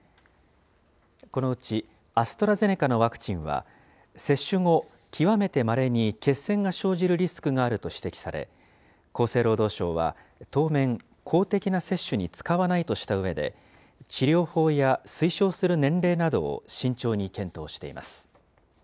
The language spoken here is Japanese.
このうちアストラゼネカのワクチンは、接種後、極めてまれに血栓が生じるリスクがあると指摘され、厚生労働省は当面、公的な接種に使わないとしたうえで、治療法や推奨する年齢などを慎重に検討しています。